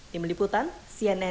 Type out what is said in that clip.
dibeliputan cnn indonesia